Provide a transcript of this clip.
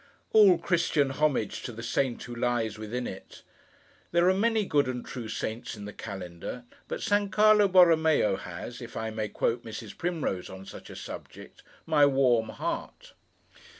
All Christian homage to the saint who lies within it! There are many good and true saints in the calendar, but San Carlo Borromeo has—if I may quote Mrs. Primrose on such a subject—'my warm heart.